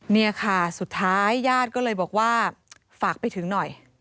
นี่ค่ะสุดท้ายญาติก็เลยบอกว่าฝากไปถึงหน่อย